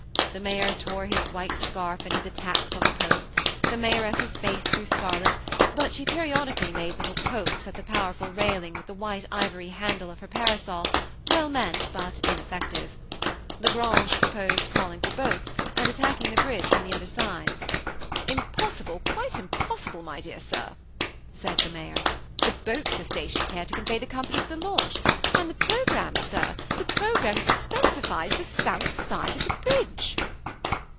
The mayor tore his white scarf in his attacks on the posts ; the mayoress' face grew scarlet, but she periofdically made little pokes at the powerful railing with the white ivory handle of her parasoi, well meant but ineffective. La Grange pro posed calling for boats, and attacking the bridge from the other side. ^ Impossible, quite impossible, my dear sir,'' said the mayor ;^ the boats are stationed here to 9 194 THE SEMI ATTACHED COUPLE, Convey the company to the launch ; and the programme, sir, the programme specifies the south side of the bridge."